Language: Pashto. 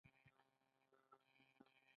په دې جنګ کې هند ماتې وخوړه.